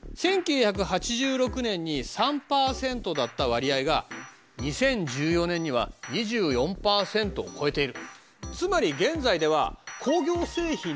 １９８６年に３％だった割合が２０１４年には２４％を超えている。